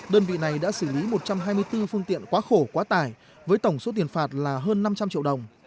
đơn vị này đã xử lý một trăm hai mươi bốn phương tiện quá khổ quá tải với tổng số tiền phạt là hơn năm trăm linh triệu đồng